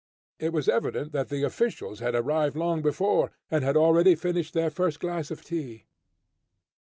It was evident that the officials had arrived long before, and had already finished their first glass of tea.